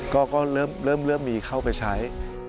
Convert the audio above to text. ก็เริ่มมีเข้าไปใช้